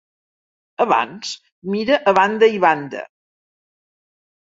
Abans mira a banda i banda.